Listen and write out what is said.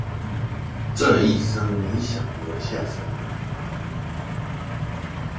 這一生你想留下什麼？